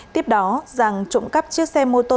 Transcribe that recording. tiếp đó rằng trộm cắp chiếc xe mô tô